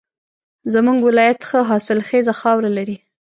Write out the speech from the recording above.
زمونږ ولایت ښه حاصلخیزه خاوره لري